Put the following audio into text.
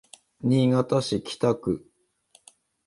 新潟市北区